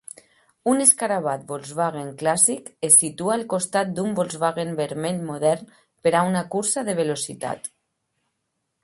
Un Escarabat Volkswagen clàssic es situa al costat d'un Volkswagen vermell modern per a una cursa de velocitat.